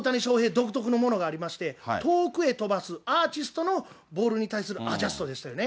独特のものがありまして、遠くへ飛ばす、アーティストのボールへのアジャストでしたよね。